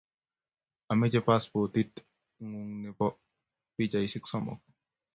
ameche paspotit ng'ung' nebo pichaisiek somok